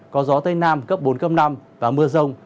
có gió tây nam cấp bốn cấp năm và mưa rông